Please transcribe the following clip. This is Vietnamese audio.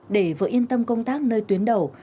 để vợ yên tâm công tác nơi tuyến đầu